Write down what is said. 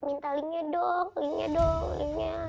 minta link nya dong link nya dong link nya